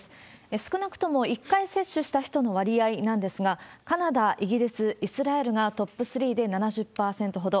少なくとも１回接種した人の割合なんですが、カナダ、イギリス、イスラエルがトップ３で７０％ほど。